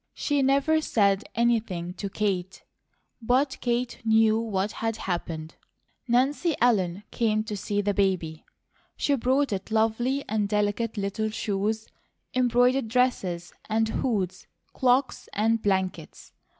She never said anything to Kate, but Kate knew what had happened. Nancy Ellen came to see the baby. She brought it lovely and delicate little shoes, embroidered dresses and hoods, cloaks and blankets.